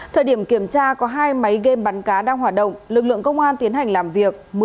thời điểm kiểm tra có hai máy game bắn cá đang hoạt động lực lượng công an tiến hành làm việc